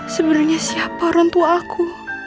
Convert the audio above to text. sebenarnya siapa orang tua aku